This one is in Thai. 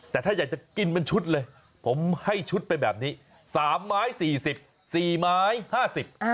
แต่ถ้าอยากจะกินเป็นชุดเลยผมให้ชุดไปแบบนี้๓ไม้๔๐๔ไม้๕๐